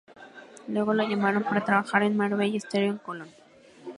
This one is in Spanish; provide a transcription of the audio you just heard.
Luego lo llamaron para trabajar en Marbella Stereo, en Colón.